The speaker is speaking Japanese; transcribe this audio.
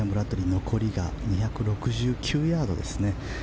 残りが２６９ヤードですね。